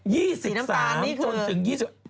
สีน้ำตาลนี่คือ